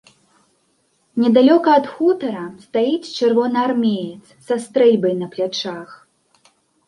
Недалёка ад хутара стаіць чырвонаармеец са стрэльбай на плячах.